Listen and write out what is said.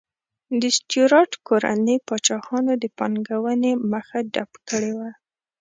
د سټیورات کورنۍ پاچاهانو د پانګونې مخه ډپ کړې وه.